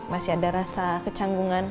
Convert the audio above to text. masih ada rasa kecanggungan